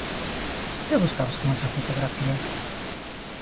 Que buscabas con esa fotografía?